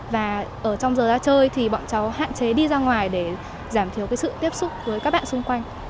và ở trong giờ ra chơi thì bọn cháu hạn chế đi ra ngoài để giảm thiểu cái sự tiếp xúc với các bạn xung quanh